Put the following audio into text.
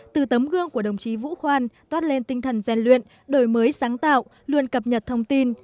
từ tấm gương của đồng chí vũ khoan toát lên tinh thần gian luyện đổi mới sáng tạo luôn cập nhật thông tin